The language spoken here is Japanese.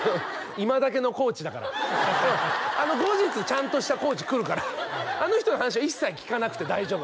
今だけのコーチだからうん後日ちゃんとしたコーチ来るからあの人の話は一切聞かなくて大丈夫